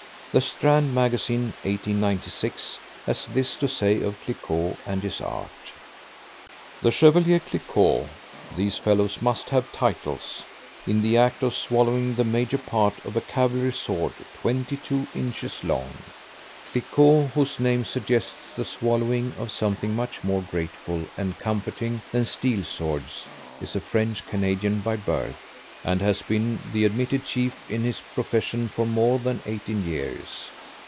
The Strand Magazine (1896) has this to say of Cliquot and his art: The Chevalier Cliquot (these fellows MUST have titles) in the act of swallowing the major part of a cavalry sword 22 inches long. Cliquot, whose name suggests the swallowing of something much more grateful and comforting than steel swords, is a French Canadian by birth, and has been the admitted chief in his profession for more than 18 years.